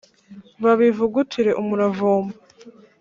babivugutire umuravumba